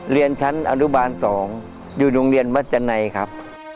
เรียนชั้นอนุบาล๒อยู่โรงเรียนมัชนัยครับ